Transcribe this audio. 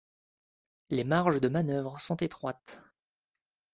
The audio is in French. Les marges de manœuvre sont étroites.